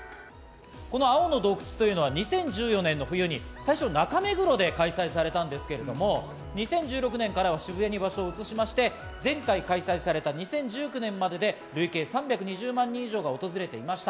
この青の洞窟というのは、２０１４年の冬に最初、中目黒で開催されたんですけれども、２０１６年からは渋谷に場所を移しまして、前回開催された２０１９年までで累計３２０万人以上が訪れていました。